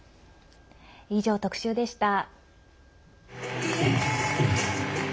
以上、特集でした。